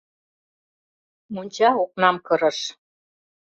Монча окнам кырыш.